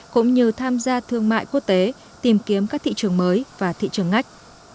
cũng như tham gia thương mại quốc tế tìm kiếm các thị trường mới và thị trường ngách